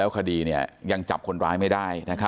คดียังจับคนร้ายไม่ได้